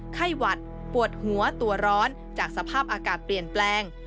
ไข้หวัดปวดหัวตัวร้อนจากสภาพอากาศเปลี่ยนแปลง